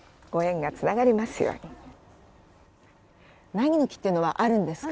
ナギの木というのはあるんですか？